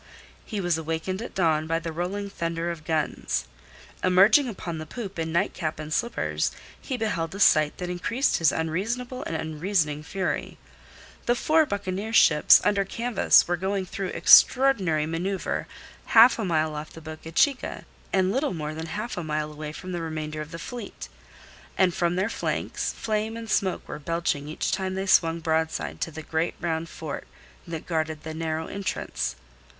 He was awakened at dawn by the rolling thunder of guns. Emerging upon the poop in nightcap and slippers, he beheld a sight that increased his unreasonable and unreasoning fury. The four buccaneer ships under canvas were going through extraordinary manoeuvre half a mile off the Boca Chica and little more than half a mile away from the remainder of the fleet, and from their flanks flame and smoke were belching each time they swung broadside to the great round fort that guarded that narrow entrance.